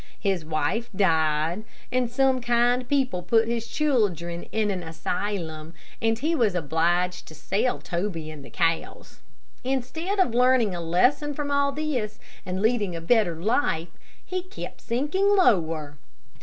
His wife died, and some kind people put his children in an asylum, and he was obliged to sell Toby and the cows. Instead of learning a lesson from all this, and leading a better life, he kept sinking lower.